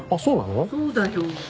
そうだよ。